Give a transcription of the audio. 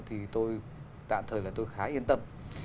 thì tôi tạm thời là tôi khá yên tâm